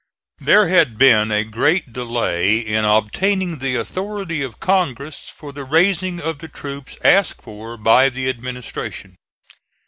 There had been great delay in obtaining the authority of Congress for the raising of the troops asked for by the administration.